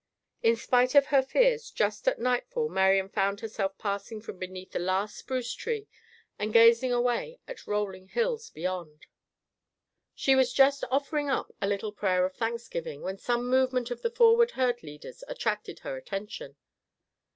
In spite of her fears, just at nightfall Marian found herself passing from beneath the last spruce tree and gazing away at rolling hills beyond. She was just offering up a little prayer of thanksgiving, when some movement of the forward herd leaders attracted her attention.